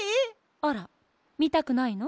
あらみたくないの？